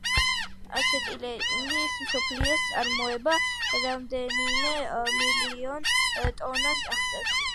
აცეტილენის მსოფლიო წარმოება რამდენიმე მილიონ ტონას აღწევს.